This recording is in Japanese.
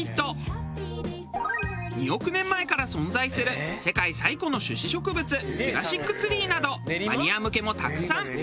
２億年前から存在する世界最古の種子植物ジュラシックツリーなどマニア向けもたくさん。